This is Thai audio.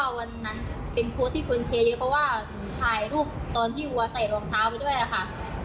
วันนั้นเป็นโพสต์ที่คนแชร์เยอะเพราะว่าถ่ายรูปตอนที่วัวใส่รองเท้าไปด้วยค่ะ